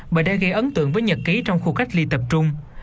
bởi đã gây ấn tượng với nhật ký trong khu cách ly tập trung